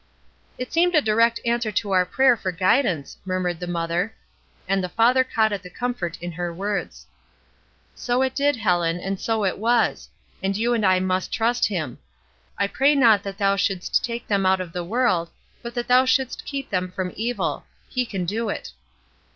"It seemed a direct answer to our prayer for guidance/' murmm ed the mother; and the father caught at the comfort in her words. SCRUPLES 101 "So it did, Helen, and so it was ; and you and I must trust Him. 'I pray not that thou shouldst take them out of the world, but that thou shouldst keep them from the evil.' He can do it."